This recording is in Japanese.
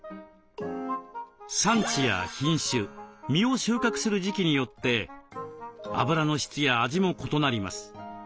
産地や品種実を収穫する時期によってあぶらの質や味も異なります。